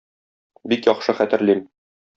Бик яхшы хәтерлим.